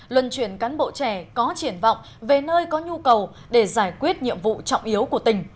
luân chuyển cán bộ trẻ có triển vọng về nơi có nhu cầu để giải quyết nhiệm vụ trọng yếu của tỉnh